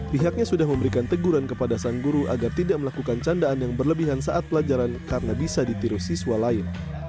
pihaknya sudah memberikan teguran kepada sang guru agar tidak melakukan candaan yang berlebihan saat pelajaran karena bisa ditiru siswa lain